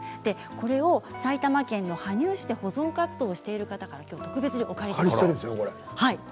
これを埼玉県の羽生市で保存活動している方から今日は特別にお借りしました。